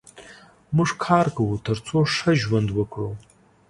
موږ کار کوو تر څو ښه ژوند وکړو.